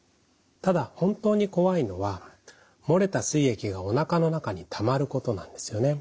ただ本当に怖いのは漏れたすい液がおなかの中にたまることなんですよね。